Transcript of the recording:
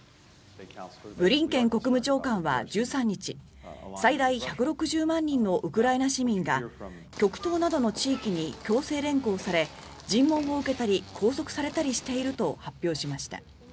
ブリンケン国務長官は１３日最大１６０万人のウクライナ市民が極東などの地域に強制連行され尋問を受けたり拘束されたりしていると発表しました。